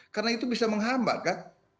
karena itu bisa menghambat kan